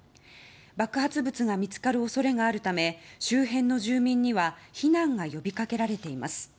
爆発物が見つかる恐れがあるため周辺の住民には避難が呼びかけられています。